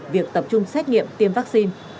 việc tập trung xét nghiệm tiêm vaccine